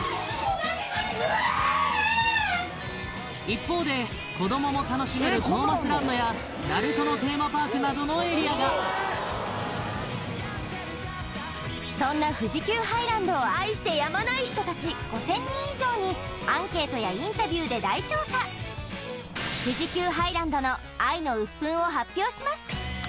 一方で子どもも楽しめる「ＮＡＲＵＴＯ」のテーマパークなどのエリアがそんな富士急ハイランドを愛してやまない人たち５０００人以上にアンケートやインタビューで大調査富士急ハイランドのを発表します